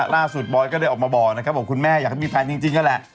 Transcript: ล่าสุดบอล์ดก็ได้ออกมาบอกนะครับว่าคุณแม่อยากมีแฟนจริงก็แหละ